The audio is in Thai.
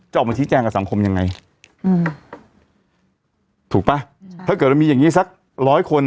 ออกมาชี้แจงกับสังคมยังไงอืมถูกป่ะใช่ถ้าเกิดเรามีอย่างงี้สักร้อยคน